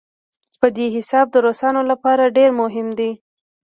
په دې حساب د روسانو لپاره ډېر مهم دی.